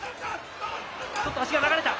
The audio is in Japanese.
ちょっと足が流れた。